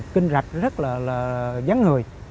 kinh rạch rất là dấn người